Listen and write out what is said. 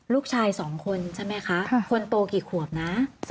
ลูกชายสองคนใช่ไหมคะคนโตกี่ขวบนะ